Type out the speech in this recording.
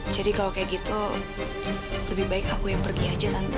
jadi kalau kayak gitu lebih baik aku yang pergi aja tante